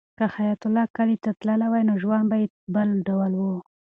که حیات الله کلي ته تللی وای نو ژوند به یې بل ډول و.